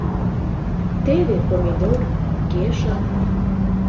Теве помидор, кешыр.